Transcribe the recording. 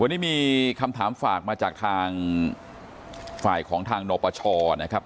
วันนี้มีคำถามฝากมาจากทางฝ่ายของทางนปชนะครับ